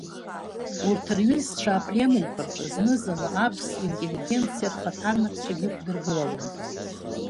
Урҭ рҩызцәа апленумқәа рҿы зны-зынла аԥсуа интеллигенциа рхаҭарнакцәақәакгьы ықәдыргылалон.